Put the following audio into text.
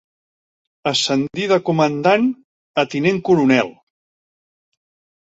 Ascendir de comandant a tinent coronel.